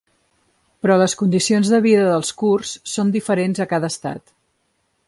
Però les condicions de vida dels kurds són diferents a cada estat.